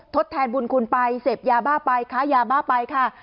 ทดแทนบุญคุณไปเสพยาบ้าไปค้ายาบ้าไปค่ะ